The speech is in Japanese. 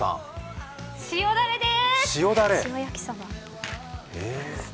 塩だれです。